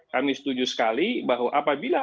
kami setuju sekali bahwa apabila